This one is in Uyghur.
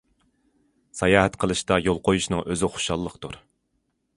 ساياھەت قىلىشتا يول قويۇشنىڭ ئۆزى خۇشاللىقتۇر.